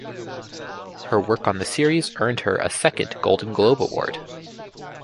Her work on the series earned her a second Golden Globe Award.